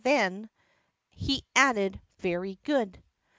Then He added, "Very good